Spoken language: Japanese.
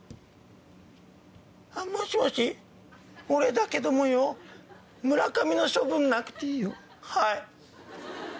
もしもし俺だけどもよ村上の処分なくていいよはい。